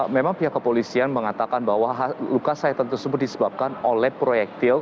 memang pihak kepolisian mengatakan bahwa luka sayatan tersebut disebabkan oleh proyektil